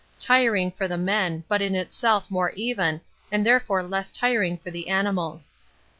Tiring for the men, but in itself more even, and therefore less tiring for the animals.